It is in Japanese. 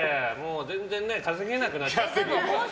全然ね、稼げなくなっちゃって。